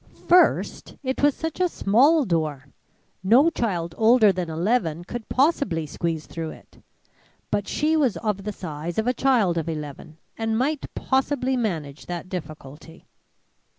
First, it was such a small door! No child older than eleven could possibly squeeze through it. But she was of the size of a child of eleven and might possibly manage that difficulty.